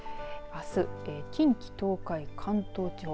あす、近畿、東海、関東地方